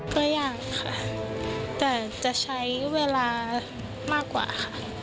ก็อยากค่ะแต่จะใช้เวลามากกว่าค่ะ